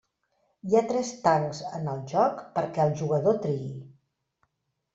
Hi ha tres tancs en el joc perquè el jugador triï.